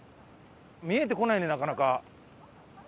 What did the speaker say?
見えてこないねなかなか。